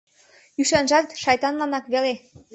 Ӱшанжат Шайтанланак веле.